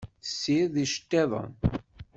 Tessirid iceṭṭiden.